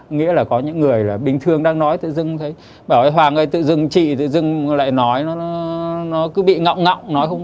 nghĩa là có những người là bình thường đang nói tự dưng thấy bảo ơi hoàng ơi tự dưng chị tự dưng lại nói nó cứ bị ngọng ngọng